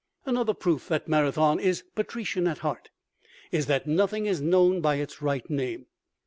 Another proof that Marathon is patrician at heart is that nothing is known by its right name!